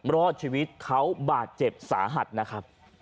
รอดชีวิตเขาบาดเจ็บสาหัสนะครับ